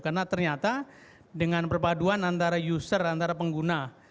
karena ternyata dengan perpaduan antara user antara pengguna